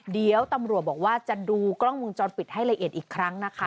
เดี๋ยวตำรวจบอกว่าจะดูกล้องวงจรปิดให้ละเอียดอีกครั้งนะคะ